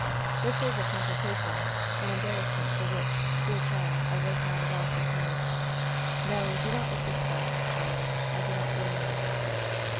This is a complication, an embarrass ment for which, dear child, I was not at all prepared. No, do not look distressed, child. I do not blame you.